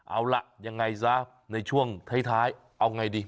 เอาล่ะยังไงซะในช่วงท้ายเอาไงดี